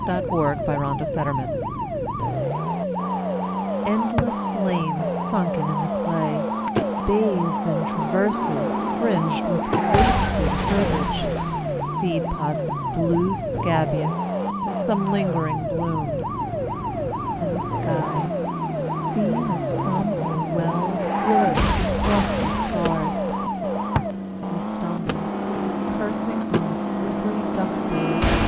Frederic Manning THE TRENCHES ENDLESS lanes sunken in the clay, Bays, and traverses, fringed with wasted herbage, Seed pods of blue scabious, and some lingering blooms ; And the sky, seen as from a well, Brilliant with frosty stars. We stumble, cursing, on the slippery duck boards.